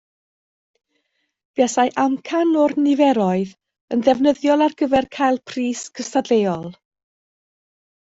Buasai amcan o'r niferoedd yn ddefnyddiol ar gyfer cael pris cystadleuol